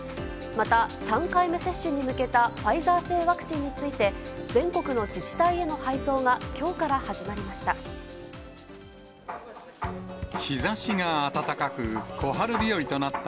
また３回目接種に向けたファイザー製ワクチンについて、全国の自治体への配送がきょうから始まりました。